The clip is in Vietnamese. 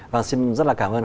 và xin rất là cảm ơn